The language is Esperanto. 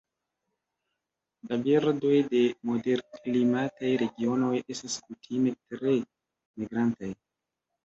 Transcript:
La birdoj de moderklimataj regionoj estas kutime tre migrantaj.